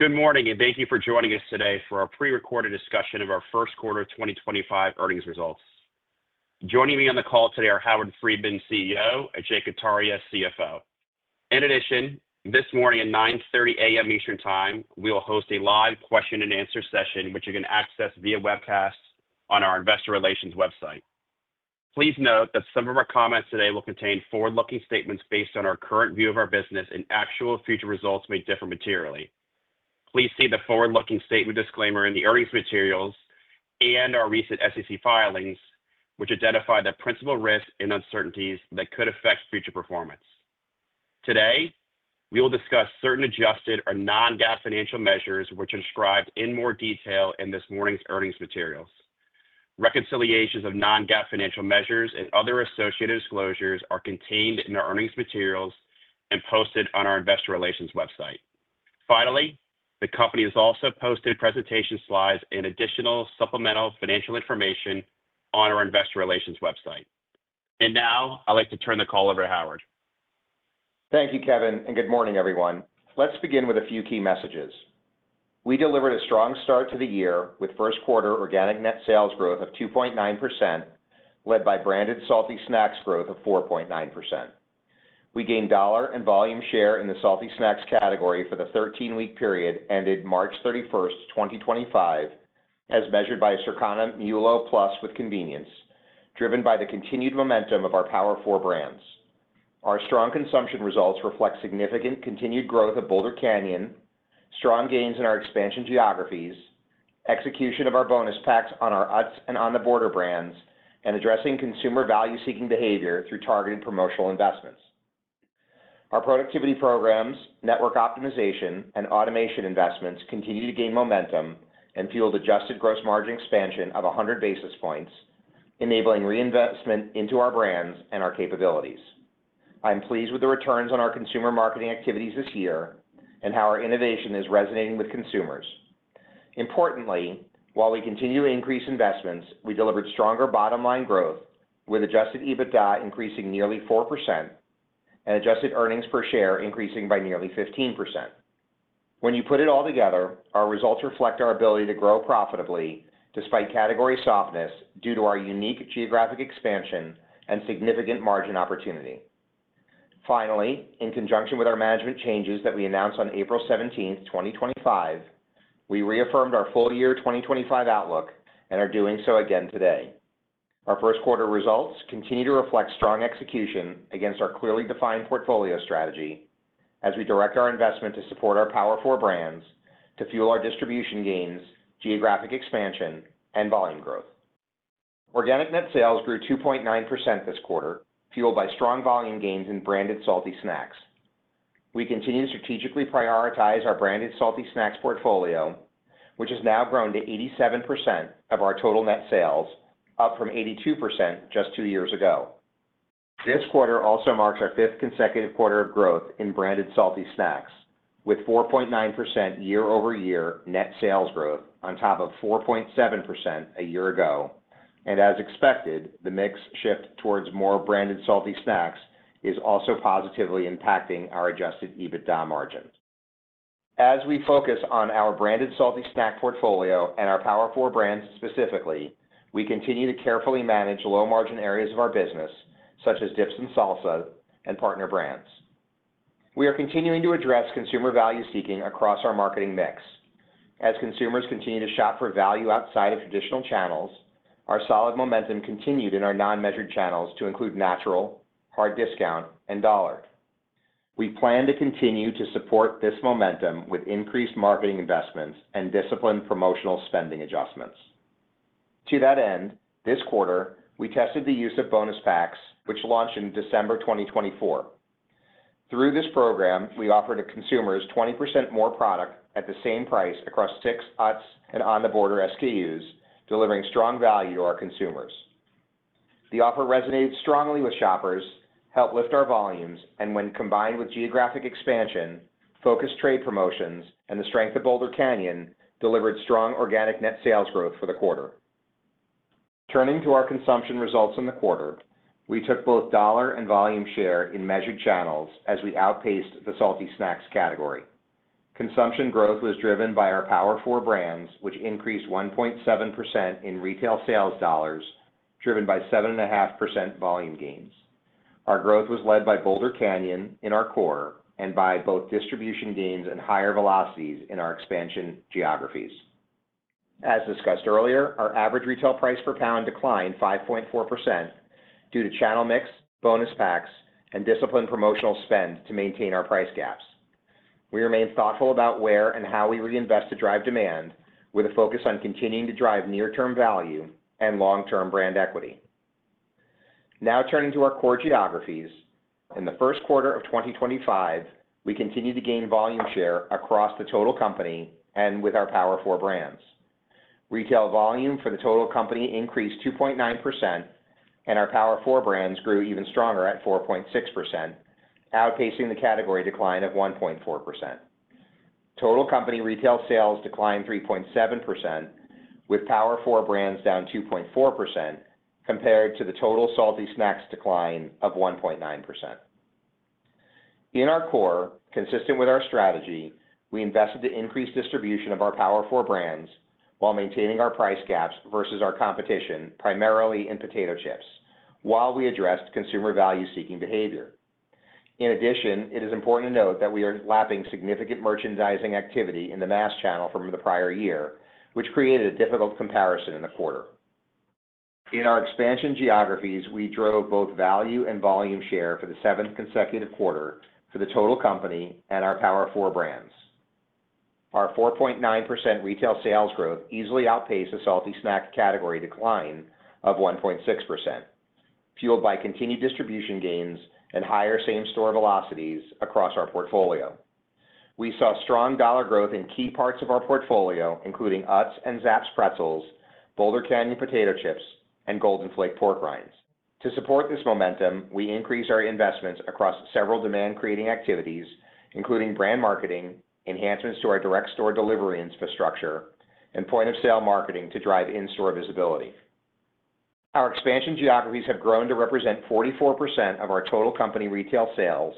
Good morning, and thank you for joining us today for our pre-recorded discussion of our first quarter 2025 earnings results. Joining me on the call today are Howard Friedman, CEO, Ajay Kataria, CFO. In addition, this morning at 9:30 A.M. Eastern Time, we will host a live question-and-answer session, which you can access via webcast on our investor relations website. Please note that some of our comments today will contain forward-looking statements based on our current view of our business, and actual future results may differ materially. Please see the forward-looking statement disclaimer in the earnings materials and our recent SEC filings, which identify the principal risks and uncertainties that could affect future performance. Today, we will discuss certain adjusted or non-GAAP financial measures, which are described in more detail in this morning's earnings materials. Reconciliations of non-GAAP financial measures and other associated disclosures are contained in our earnings materials and posted on our Investor relations website. Finally, the company has also posted presentation slides and additional supplemental financial information on our Investor Relations website, and now I'd like to turn the call over to Howard. Thank you, Kevin, and good morning, everyone. Let's begin with a few key messages. We delivered a strong start to the year with first quarter organic net sales growth of 2.9%, led by branded salty snacks growth of 4.9%. We gained dollar and volume share in the salty snacks category for the 13-week period ended March 31, 2025, as measured by Circana MULO+ with convenience, driven by the continued momentum of our Power Four brands. Our strong consumption results reflect significant continued growth of Boulder Canyon, strong gains in our expansion geographies, execution of our bonus packs on our Utz and On The Border brands, and addressing consumer value-seeking behavior through targeted promotional investments. Our productivity programs, network optimization, and automation investments continue to gain momentum and fueled adjusted gross margin expansion of 100 basis points, enabling reinvestment into our brands and our capabilities. I'm pleased with the returns on our consumer marketing activities this year and how our innovation is resonating with consumers. Importantly, while we continue to increase investments, we delivered stronger bottom-line growth, with adjusted EBITDA increasing nearly 4% and adjusted earnings per share increasing by nearly 15%. When you put it all together, our results reflect our ability to grow profitably despite category softness due to our unique geographic expansion and significant margin opportunity. Finally, in conjunction with our management changes that we announced on April 17, 2025, we reaffirmed our full-year 2025 outlook and are doing so again today. Our first quarter results continue to reflect strong execution against our clearly defined portfolio strategy as we direct our investment to support our Power Four brands to fuel our distribution gains, geographic expansion, and volume growth. Organic net sales grew 2.9% this quarter, fueled by strong volume gains in branded salty snacks. We continue to strategically prioritize our branded salty snacks portfolio, which has now grown to 87% of our total net sales, up from 82% just two years ago. This quarter also marks our fifth consecutive quarter of growth in branded salty snacks, with 4.9% year-over-year net sales growth on top of 4.7% a year ago. As expected, the mix shift towards more branded salty snacks is also positively impacting our adjusted EBITDA margin. As we focus on our branded Salty Snack portfolio and our Power Four brands specifically, we continue to carefully manage low-margin areas of our business, such as dips and salsa and partner brands. We are continuing to address consumer value-seeking across our marketing mix. As consumers continue to shop for value outside of traditional channels, our solid momentum continued in our non-measured channels to include natural, hard discount, and dollar. We plan to continue to support this momentum with increased marketing investments and disciplined promotional spending adjustments. To that end, this quarter, we tested the use of bonus packs, which launched in December 2024. Through this program, we offered consumers 20% more product at the same price across six Utz and On The Border SKUs, delivering strong value to our consumers. The offer resonated strongly with shoppers, helped lift our volumes, and when combined with geographic expansion, focused trade promotions, and the strength of Boulder Canyon, delivered strong organic net sales growth for the quarter. Turning to our consumption results in the quarter, we took both dollar and volume share in measured channels as we outpaced the salty snacks category. Consumption growth was driven by our Power Four brands, which increased 1.7% in retail sales dollars, driven by 7.5% volume gains. Our growth was led by Boulder Canyon in our core and by both distribution gains and higher velocities in our expansion geographies. As discussed earlier, our average retail price per pound declined 5.4% due to channel mix, bonus packs, and disciplined promotional spend to maintain our price gaps. We remain thoughtful about where and how we reinvest to drive demand, with a focus on continuing to drive near-term value and long-term brand equity. Now turning to our core geographies, in the first quarter of 2025, we continue to gain volume share across the total company and with our Power Four brands. Retail volume for the total company increased 2.9%, and our Power Four brands grew even stronger at 4.6%, outpacing the category decline of 1.4%. Total company retail sales declined 3.7%, with Power Four brands down 2.4% compared to the total salty snacks decline of 1.9%. In our core, consistent with our strategy, we invested to increase distribution of our Power Four brands while maintaining our price gaps versus our competition, primarily in potato chips, while we addressed consumer value-seeking behavior. In addition, it is important to note that we are lapping significant merchandising activity in the mass channel from the prior year, which created a difficult comparison in the quarter. In our expansion geographies, we drove both value and volume share for the seventh consecutive quarter for the total company and our Power Four brands. Our 4.9% retail sales growth easily outpaced the Salty Snack category decline of 1.6%, fueled by continued distribution gains and higher same-store velocities across our portfolio. We saw strong dollar growth in key parts of our portfolio, including Utz and Zapp's pretzels, Boulder Canyon potato chips, and Golden Flake pork rinds. To support this momentum, we increased our investments across several demand-creating activities, including brand marketing, enhancements to our direct store delivery infrastructure, and point-of-sale marketing to drive in-store visibility. Our expansion geographies have grown to represent 44% of our total company retail sales,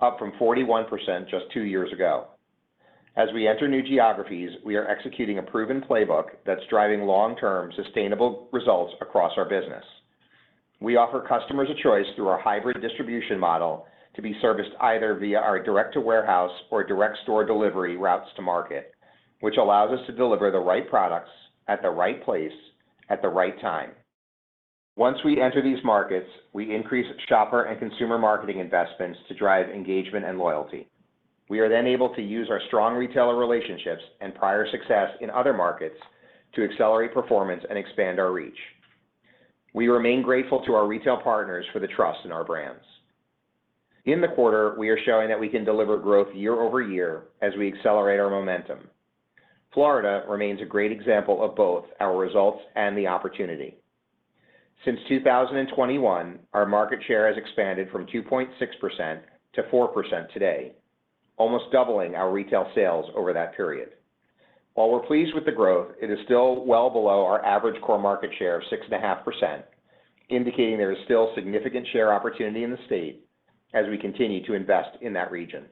up from 41% just two years ago. As we enter new geographies, we are executing a proven playbook that's driving long-term sustainable results across our business. We offer customers a choice through our hybrid distribution model to be serviced either via our direct-to-warehouse or direct-store delivery routes to market, which allows us to deliver the right products at the right place at the right time. Once we enter these markets, we increase shopper and consumer marketing investments to drive engagement and loyalty. We are then able to use our strong retailer relationships and prior success in other markets to accelerate performance and expand our reach. We remain grateful to our retail partners for the trust in our brands. In the quarter, we are showing that we can deliver growth year-over-year as we accelerate our momentum. Florida remains a great example of both our results and the opportunity. Since 2021, our market share has expanded from 2.6% to 4% today, almost doubling our retail sales over that period. While we're pleased with the growth, it is still well below our average core market share of 6.5%, indicating there is still significant share opportunity in the state as we continue to invest in that region.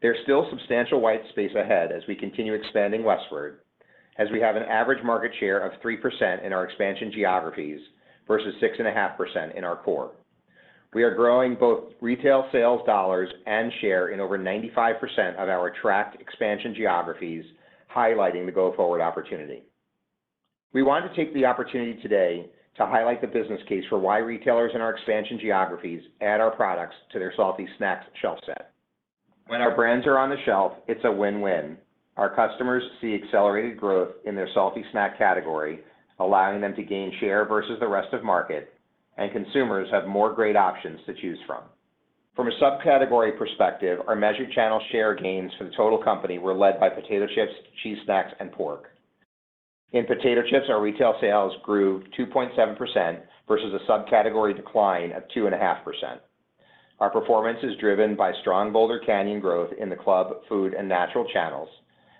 There's still substantial white space ahead as we continue expanding westward, as we have an average market share of 3% in our expansion geographies versus 6.5% in our core. We are growing both retail sales dollars and share in over 95% of our tracked expansion geographies, highlighting the go-forward opportunity. We want to take the opportunity today to highlight the business case for why retailers in our expansion geographies add our products to their salty snacks shelf set. When our brands are on the shelf, it's a win-win. Our customers see accelerated growth in their Salty Snack category, allowing them to gain share versus the rest of the market, and consumers have more great options to choose from. From a subcategory perspective, our measured channel share gains for the total company were led by potato chips, cheese snacks, and pork. In potato chips, our retail sales grew 2.7% versus a subcategory decline of 2.5%. Our performance is driven by strong Boulder Canyon growth in the club, food, and natural channels,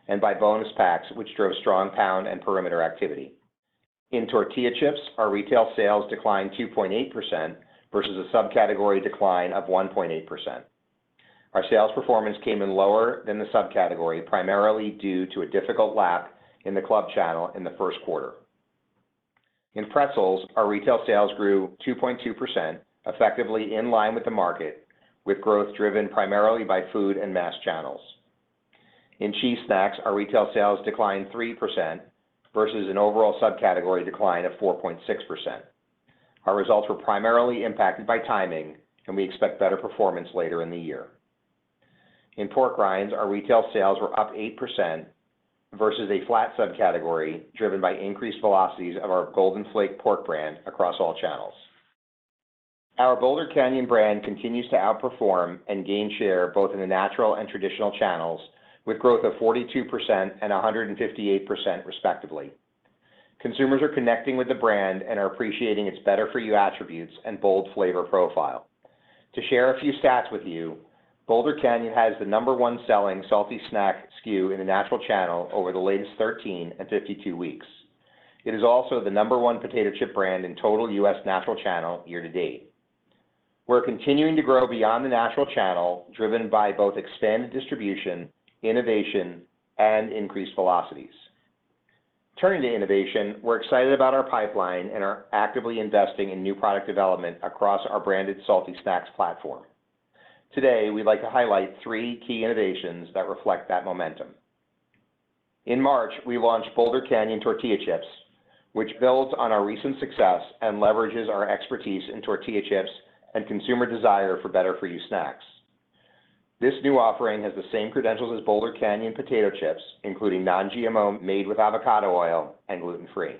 and by bonus packs, which drove strong pound and perimeter activity. In tortilla chips, our retail sales declined 2.8% versus a subcategory decline of 1.8%. Our sales performance came in lower than the subcategory, primarily due to a difficult lap in the club channel in the first quarter. In pretzels, our retail sales grew 2.2%, effectively in line with the market, with growth driven primarily by food and mass channels. In cheese snacks, our retail sales declined 3% versus an overall subcategory decline of 4.6%. Our results were primarily impacted by timing, and we expect better performance later in the year. In pork rinds, our retail sales were up 8% versus a flat subcategory driven by increased velocities of our Golden Flake pork brand across all channels. Our Boulder Canyon brand continues to outperform and gain share both in the natural and traditional channels, with growth of 42% and 158%, respectively. Consumers are connecting with the brand and are appreciating its better-for-you attributes and bold flavor profile. To share a few stats with you, Boulder Canyon has the number one selling Salty Snack SKU in the natural channel over the latest 13 and 52 weeks. It is also the number one potato chip brand in total U.S. natural channel year to date. We're continuing to grow beyond the natural channel, driven by both expanded distribution, innovation, and increased velocities. Turning to innovation, we're excited about our pipeline and are actively investing in new product development across our branded salty snacks platform. Today, we'd like to highlight three key innovations that reflect that momentum. In March, we launched Boulder Canyon Tortilla Chips, which builds on our recent success and leverages our expertise in tortilla chips and consumer desire for better-for-you snacks. This new offering has the same credentials as Boulder Canyon potato chips, including non-GMO, made with avocado oil, and gluten-free.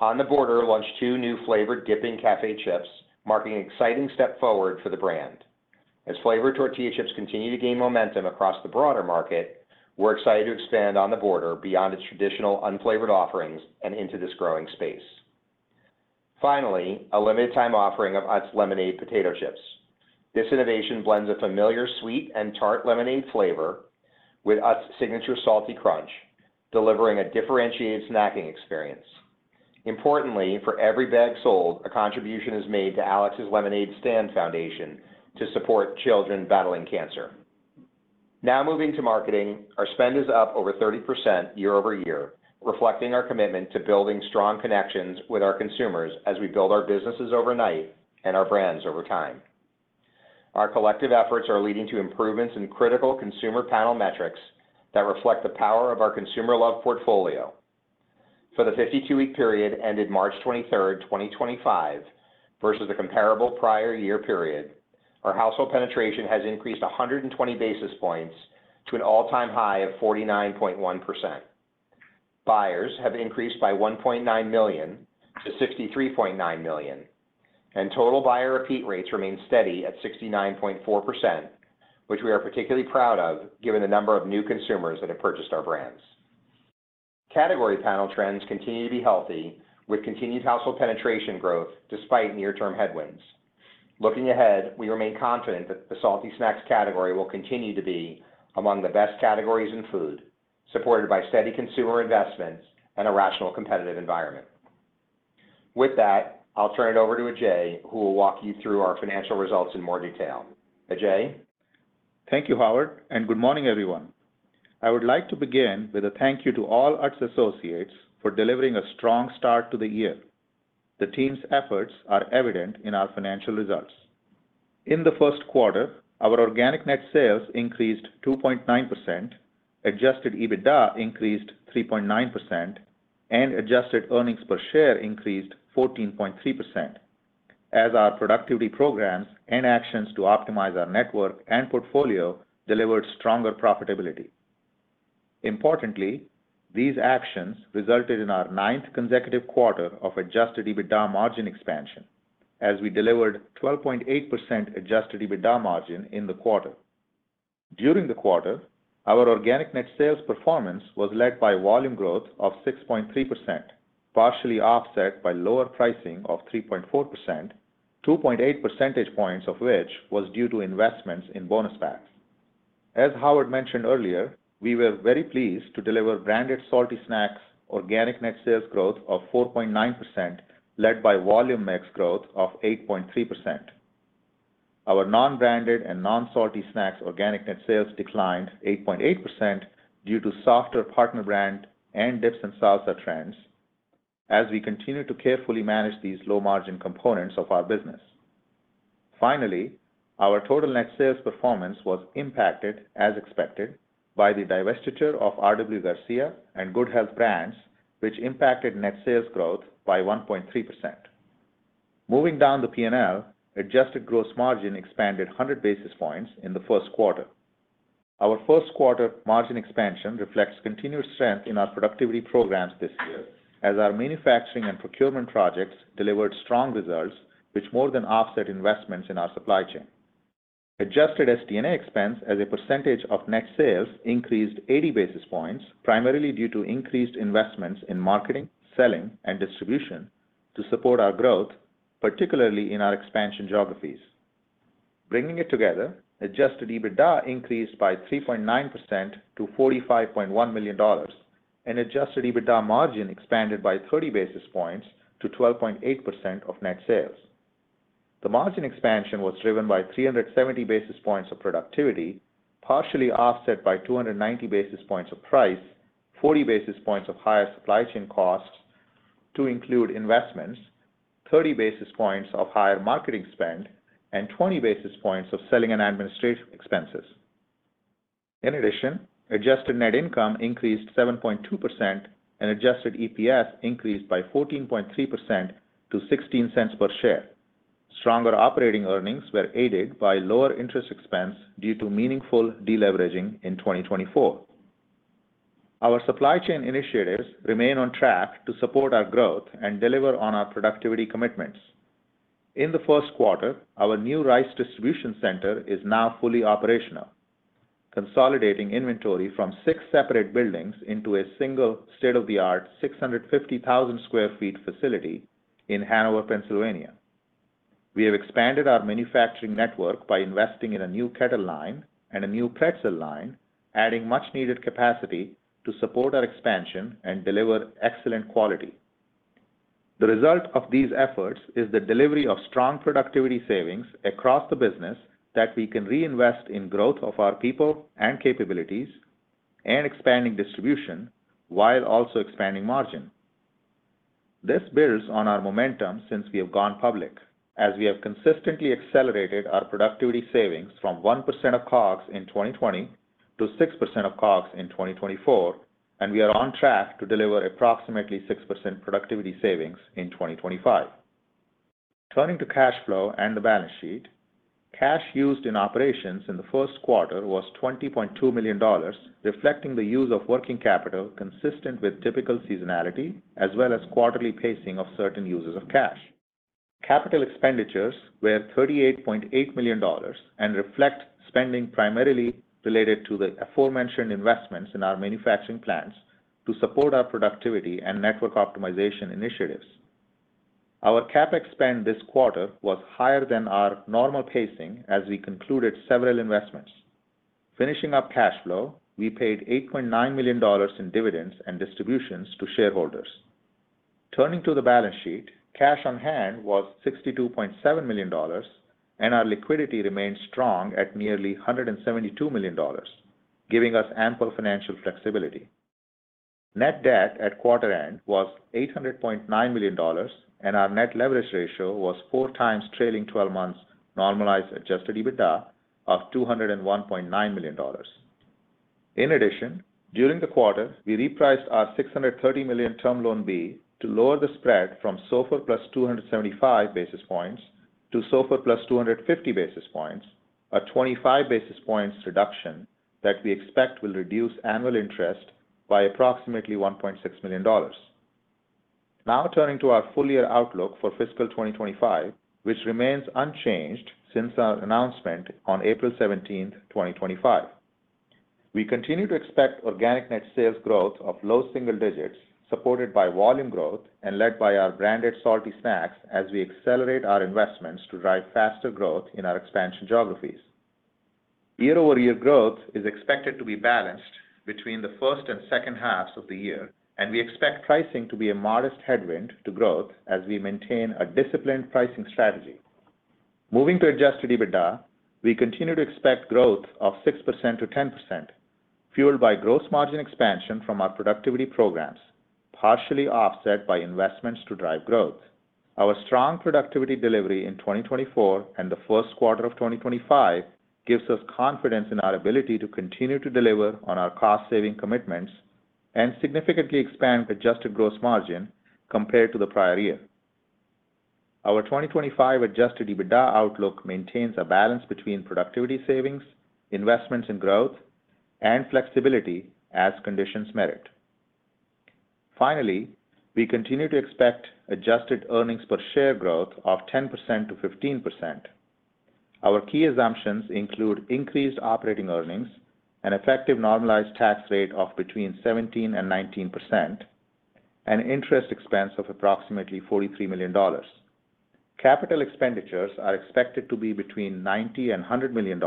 On The Border launched two new flavored dipping Café chips, marking an exciting step forward for the brand. As flavored tortilla chips continue to gain momentum across the broader market, we're excited to expand On The Border beyond its traditional unflavored offerings and into this growing space. Finally, a limited-time offering of Utz Lemonade Potato Chips. This innovation blends a familiar sweet and tart lemonade flavor with Utz's signature salty crunch, delivering a differentiated snacking experience. Importantly, for every bag sold, a contribution is made to Alex's Lemonade Stand Foundation to support children battling cancer. Now moving to marketing, our spend is up over 30% year-over-year, reflecting our commitment to building strong connections with our consumers as we build our businesses overnight and our brands over time. Our collective efforts are leading to improvements in critical consumer panel metrics that reflect the power of our consumer love portfolio. For the 52-week period ended March 23, 2025, versus a comparable prior year period, our household penetration has increased 120 basis points to an all-time high of 49.1%. Buyers have increased by 1.9 million to 63.9 million, and total buyer repeat rates remain steady at 69.4%, which we are particularly proud of given the number of new consumers that have purchased our brands. Category panel trends continue to be healthy, with continued household penetration growth despite near-term headwinds. Looking ahead, we remain confident that the salty snacks category will continue to be among the best categories in food, supported by steady consumer investments and a rational competitive environment. With that, I'll turn it over to Ajay, who will walk you through our financial results in more detail. Ajay? Thank you, Howard, and good morning, everyone. I would like to begin with a thank you to all Utz associates for delivering a strong start to the year. The team's efforts are evident in our financial results. In the first quarter, our organic net sales increased 2.9%, adjusted EBITDA increased 3.9%, and adjusted earnings per share increased 14.3%, as our productivity programs and actions to optimize our network and portfolio delivered stronger profitability. Importantly, these actions resulted in our ninth consecutive quarter of adjusted EBITDA margin expansion, as we delivered 12.8% adjusted EBITDA margin in the quarter. During the quarter, our organic net sales performance was led by volume growth of 6.3%, partially offset by lower pricing of 3.4%, 2.8 percentage points of which was due to investments in bonus packs. As Howard mentioned earlier, we were very pleased to deliver branded salty snacks organic net sales growth of 4.9%, led by volume mix growth of 8.3%. Our non-branded and non-salty snacks organic net sales declined 8.8% due to softer partner brand and dips in salsa trends, as we continue to carefully manage these low-margin components of our business. Finally, our total net sales performance was impacted, as expected, by the divestiture of RW Garcia and Good Health Brands, which impacted net sales growth by 1.3%. Moving down the P&L, adjusted gross margin expanded 100 basis points in the first quarter. Our first quarter margin expansion reflects continued strength in our productivity programs this year, as our manufacturing and procurement projects delivered strong results, which more than offset investments in our supply chain. Adjusted SD&A expense, as a percentage of net sales, increased 80 basis points, primarily due to increased investments in marketing, selling, and distribution to support our growth, particularly in our expansion geographies. Bringing it together, adjusted EBITDA increased by 3.9% to $45.1 million, and adjusted EBITDA margin expanded by 30 basis points to 12.8% of net sales. The margin expansion was driven by 370 basis points of productivity, partially offset by 290 basis points of price, 40 basis points of higher supply chain costs to include investments, 30 basis points of higher marketing spend, and 20 basis points of selling and administrative expenses. In addition, adjusted net income increased 7.2%, and adjusted EPS increased by 14.3% to $0.16 per share. Stronger operating earnings were aided by lower interest expense due to meaningful deleveraging in 2024. Our supply chain initiatives remain on track to support our growth and deliver on our productivity commitments. In the first quarter, our new Rice distribution center is now fully operational, consolidating inventory from six separate buildings into a single state-of-the-art 650,000 sq ft facility in Hanover, Pennsylvania. We have expanded our manufacturing network by investing in a new kettle line and a new pretzel line, adding much-needed capacity to support our expansion and deliver excellent quality. The result of these efforts is the delivery of strong productivity savings across the business that we can reinvest in growth of our people and capabilities, and expanding distribution while also expanding margin. This builds on our momentum since we have gone public, as we have consistently accelerated our productivity savings from 1% of COGS in 2020 to 6% of COGS in 2024, and we are on track to deliver approximately 6% productivity savings in 2025. Turning to cash flow and the balance sheet, cash used in operations in the first quarter was $20.2 million, reflecting the use of working capital consistent with typical seasonality, as well as quarterly pacing of certain uses of cash. Capital expenditures were $38.8 million and reflect spending primarily related to the aforementioned investments in our manufacturing plants to support our productivity and network optimization initiatives. Our CapEx spend this quarter was higher than our normal pacing as we concluded several investments. Finishing up cash flow, we paid $8.9 million in dividends and distributions to shareholders. Turning to the balance sheet, cash on hand was $62.7 million, and our liquidity remained strong at nearly $172 million, giving us ample financial flexibility. Net debt at quarter end was $800.9 million, and our net leverage ratio was four times trailing 12 months' normalized adjusted EBITDA of $201.9 million. In addition, during the quarter, we repriced our $630 million Term Loan B to lower the spread from SOFR plus 275 basis points to SOFR plus 250 basis points, a 25 basis points reduction that we expect will reduce annual interest by approximately $1.6 million. Now turning to our full year outlook for fiscal 2025, which remains unchanged since our announcement on April 17, 2025. We continue to expect organic net sales growth of low single digits, supported by volume growth and led by our branded salty snacks as we accelerate our investments to drive faster growth in our expansion geographies. Year-over-year growth is expected to be balanced between the first and second halves of the year, and we expect pricing to be a modest headwind to growth as we maintain a disciplined pricing strategy. Moving to adjusted EBITDA, we continue to expect growth of 6%-10%, fueled by gross margin expansion from our productivity programs, partially offset by investments to drive growth. Our strong productivity delivery in 2024 and the first quarter of 2025 gives us confidence in our ability to continue to deliver on our cost-saving commitments and significantly expand adjusted Gross Margin compared to the prior year. Our 2025 adjusted EBITDA outlook maintains a balance between productivity savings, investments in growth, and flexibility as conditions merit. Finally, we continue to expect adjusted earnings per share growth of 10%-15%. Our key assumptions include increased operating earnings, an effective normalized tax rate of between 17% and 19%, and interest expense of approximately $43 million. Capital expenditures are expected to be between $90-$100 million,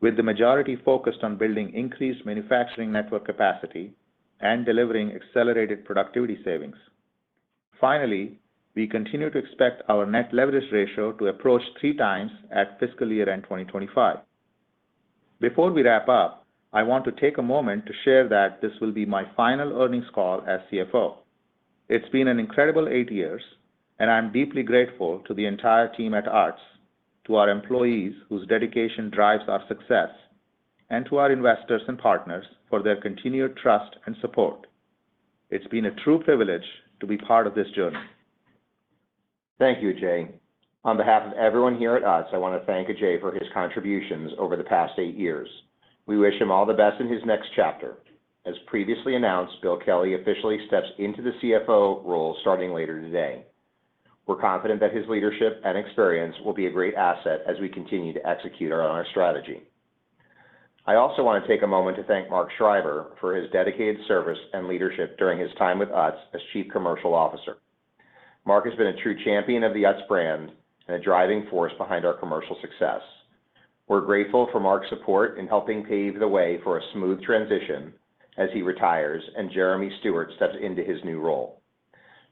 with the majority focused on building increased manufacturing network capacity and delivering accelerated productivity savings. Finally, we continue to expect our net leverage ratio to approach three times at fiscal year end 2025. Before we wrap up, I want to take a moment to share that this will be my final earnings call as CFO. It's been an incredible eight years, and I'm deeply grateful to the entire team at Utz, to our employees whose dedication drives our success, and to our investors and partners for their continued trust and support. It's been a true privilege to be part of this journey. Thank you, Ajay. On behalf of everyone here at Utz, I want to thank Ajay for his contributions over the past eight years. We wish him all the best in his next chapter. As previously announced, Bill Kelly officially steps into the CFO role starting later today. We're confident that his leadership and experience will be a great asset as we continue to execute our strategy. I also want to take a moment to thank Mark Schreiber for his dedicated service and leadership during his time with Utz as Chief Commercial Officer. Mark has been a true champion of the Utz brand and a driving force behind our commercial success. We're grateful for Mark's support in helping pave the way for a smooth transition as he retires and Jeremy Stewart steps into his new role.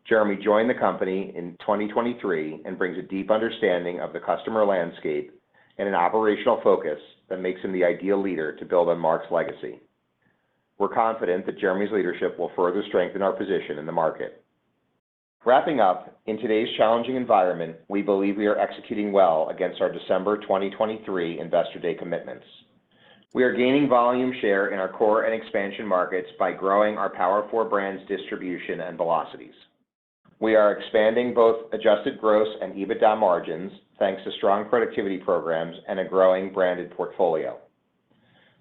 Jeremy joined the company in 2023 and brings a deep understanding of the customer landscape and an operational focus that makes him the ideal leader to build on Mark's legacy. We're confident that Jeremy's leadership will further strengthen our position in the market. Wrapping up, in today's challenging environment, we believe we are executing well against our December 2023 Investor Day commitments. We are gaining volume share in our core and expansion markets by growing our Power Four Brands distribution and velocities. We are expanding both adjusted gross and EBITDA margins thanks to strong productivity programs and a growing branded portfolio.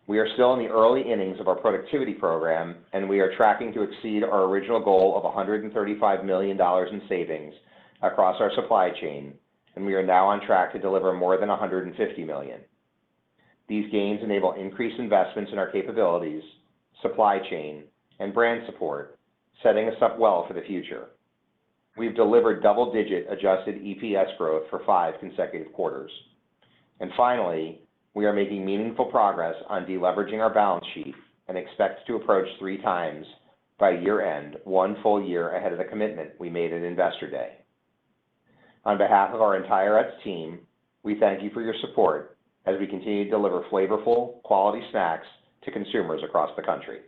We are still in the early innings of our productivity program, and we are tracking to exceed our original goal of $135 million in savings across our supply chain, and we are now on track to deliver more than $150 million. These gains enable increased investments in our capabilities, supply chain, and brand support, setting us up well for the future. We've delivered double-digit adjusted EPS growth for five consecutive quarters. And finally, we are making meaningful progress on deleveraging our balance sheet and expect to approach three times by year-end, one full year ahead of the commitment we made at Investor Day. On behalf of our entire Utz team, we thank you for your support as we continue to deliver flavorful, quality snacks to consumers across the country.